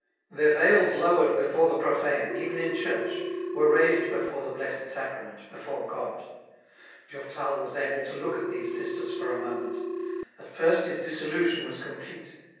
Their veils lowered before the profane, even in church, were raised before the Blessed Sacrament, before God. Durtal was able to look at these sisters for a moment ; at 50 EN ROUTE. first his disillusion was complete.